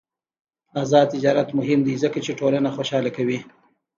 آزاد تجارت مهم دی ځکه چې ټولنه خوشحاله کوي.